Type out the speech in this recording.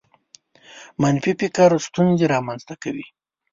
منفي فکر ستونزې رامنځته کوي.